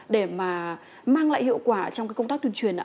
để mà mang lại hiệu quả trong công tác tuyên truyền